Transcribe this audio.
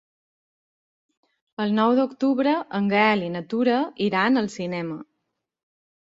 El nou d'octubre en Gaël i na Tura iran al cinema.